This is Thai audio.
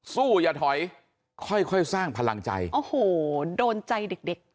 อย่าถอยค่อยค่อยสร้างพลังใจโอ้โหโดนใจเด็กเด็ก